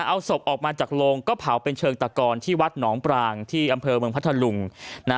เอาศพออกมาจากโรงก็เผาเป็นเชิงตะกอนที่วัดหนองปรางที่อำเภอเมืองพัทธลุง